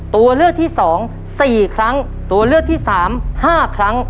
ตัวเลือกที่สองสี่ครั้งตัวเลือกที่สามห้าครั้ง